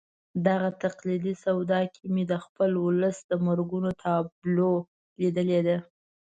دغه تقلیدي سودا کې مې د خپل ولس د مرګونو تابلو لیدلې ده.